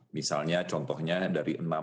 misalnya contohnya dari enam belas perusahaan